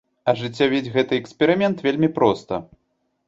Ажыццявіць гэты эксперымент вельмі проста.